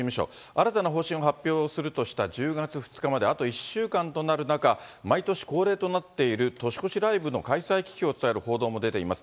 新たな方針を発表するとした１０月２日まであと１週間となる中、毎年恒例となっている年越しライブの開催危機を伝える報道も出ています。